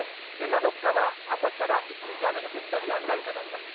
７日は朝から一日雨が降ったりやんだりとなります。